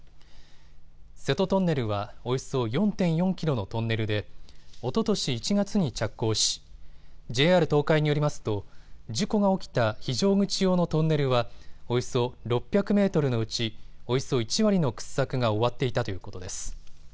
瀬戸トンネルはおよそ４．４キロのトンネルでおととし１月に着工しＪＲ東海によりますと事故が起きた非常口用のトンネルはおよそ６００メートルのうちおよそ１割の掘削が終わっていたということです。